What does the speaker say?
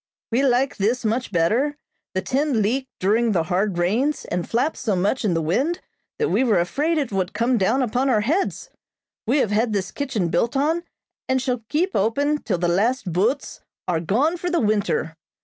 "We like this much better. The tent leaked during the hard rains, and flapped so much in the wind that we were afraid it would come down upon our heads. We have had this kitchen built on, and shall keep open till the last boats are gone for the winter.